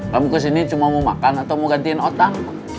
kamu kesini cuma mau makan atau mau gantiin otak